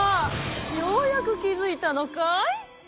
ようやくきづいたのかい？